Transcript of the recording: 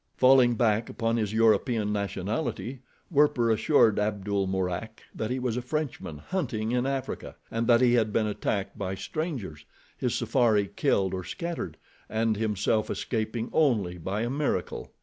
Falling back upon his European nationality, Werper assured Abdul Mourak that he was a Frenchman, hunting in Africa, and that he had been attacked by strangers, his safari killed or scattered, and himself escaping only by a miracle.